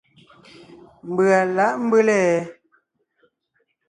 Mbʉ̀a lǎʼ mbʉ́le ?